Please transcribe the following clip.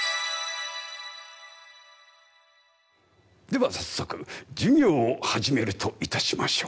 では早速授業を始めるといたしましょう。